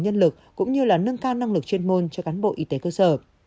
nhân lực cũng như là nâng cao năng lực chuyên môn cho cán bộ y tế cơ sở